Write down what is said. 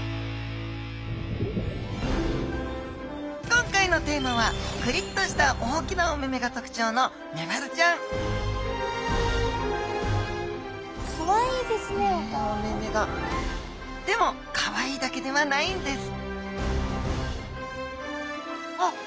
今回のテーマはクリッとした大きなお目々が特徴のメバルちゃんでもかわいいだけではないんですあっ